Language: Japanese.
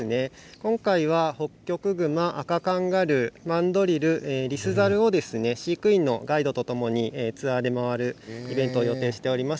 今回はホッキョクグマアカカンガルーマンドリル、リスザルを飼育員のガイドとともにツアーで回るイベントを予定しております。